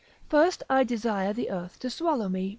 First I desire the earth to swallow me.